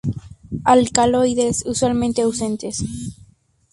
Alcaloides usualmente ausentes.